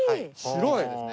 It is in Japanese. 白い！